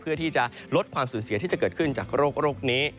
เพื่อที่จะลดความสูญเสียที่จะเกิดขึ้นจากโรคนี้